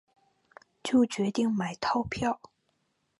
就决定买套票